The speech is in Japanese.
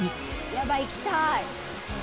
やばい。行きたい。